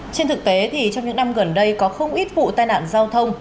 trên thực tế thì trong những năm gần đây có không ít vụ tai nạn giao thông